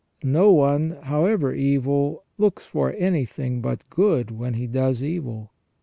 No one, however evil, looks for anything but good when he does evil.